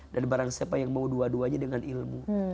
dan barang siapa yang mau dua duanya dengan ilmu